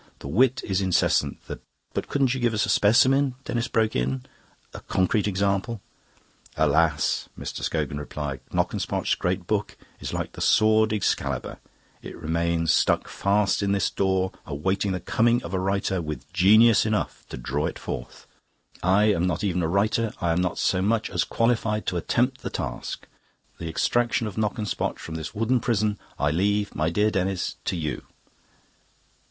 The wit is incessant. The..." "But couldn't you give us a specimen," Denis broke in "a concrete example?" "Alas!" Mr. Scogan replied, "Knockespotch's great book is like the sword Excalibur. It remains struck fast in this door, awaiting the coming of a writer with genius enough to draw it forth. I am not even a writer, I am not so much as qualified to attempt the task. The extraction of Knockespotch from his wooden prison I leave, my dear Denis, to you."